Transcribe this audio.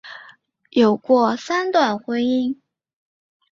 有过三段婚姻。